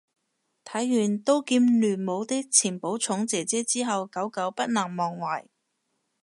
睇完刀劍亂舞啲前寶塚姐姐之後久久不能忘懷